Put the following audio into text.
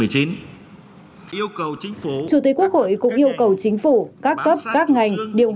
chủ tịch quốc hội cũng yêu cầu chính phủ các cấp các ngành điều hành